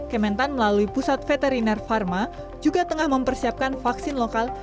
kementan melalui pusat veteriner pharma juga tengah mempersiapkan vaksin lokal